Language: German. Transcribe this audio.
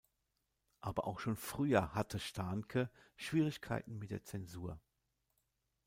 Aber auch schon früher hatte Stahnke Schwierigkeiten mit der Zensur.